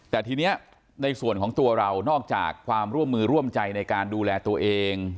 แต่ทีนี้ในส่วนของตัวเรานอกจากความร่วมมือร่วมใจในการดูแลตัวเอง